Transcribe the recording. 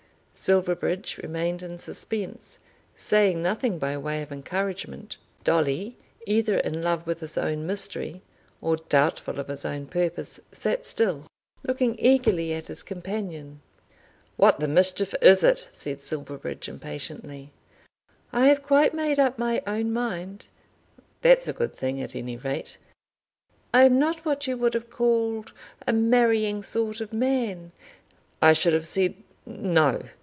Silverbridge remained in suspense, saying nothing by way of encouragement. Dolly, either in love with his own mystery or doubtful of his own purpose, sat still, looking eagerly at his companion. "What the mischief is it?" asked Silverbridge impatiently. "I have quite made up my own mind." "That's a good thing at any rate." "I am not what you would have called a marrying sort of man." "I should have said, no.